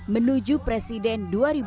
menuju presiden dua ribu dua puluh